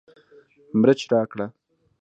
مرچ راکړه